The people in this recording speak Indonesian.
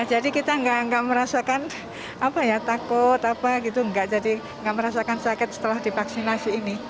jadi kita nggak merasakan apa ya takut apa gitu nggak jadi nggak merasakan sakit setelah divaksinasi ini